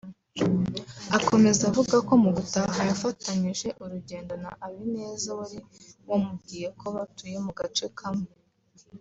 Akomeza avuga ko mu gutaha yafatanyije urugendo na Abineza wari wamubwiye ko batuye mu gace kamwe